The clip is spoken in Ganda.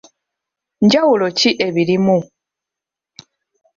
Njawulo ki ebirimu?